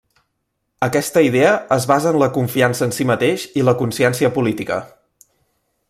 Aquesta idea es basa en la confiança en si mateix i la consciència política.